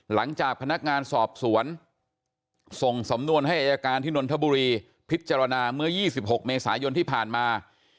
หลังจากพนักงานสอบสวนส่งสำนวนให้อายการที่นนทบุรีพิจารณาเมื่อ๒๖เมษายนที่ผ่านมา